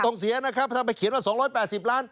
ต้องเสียนะครับถ้าไปเขียนว่า๒๘๐ล้าน